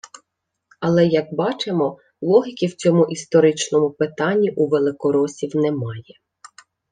Але, як бачимо, логіки в цьому історичному питанні у великоросів немає